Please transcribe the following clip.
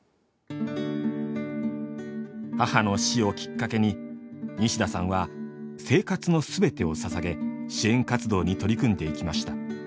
母の死をきっかけに西田さんは生活の全てをささげ支援活動に取り組んでいきました。